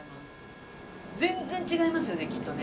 全然違いますよねきっとね。